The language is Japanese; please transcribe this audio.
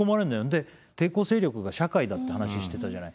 で抵抗勢力が社会だって話してたじゃない？